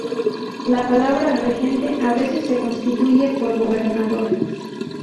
La palabra "regente" a veces se sustituye por "gobernador".